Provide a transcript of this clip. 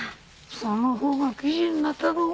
その方が記事になったろ